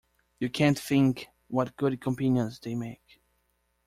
You can't think what good companions they make.